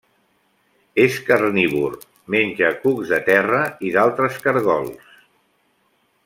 És carnívor: menja cucs de terra i d'altres caragols.